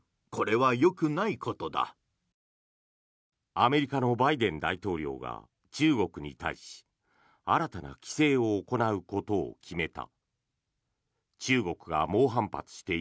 アメリカのバイデン大統領が中国に対し新たな規制を行うことを決めた。